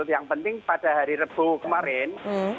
yang penting pada hari rebu kemarin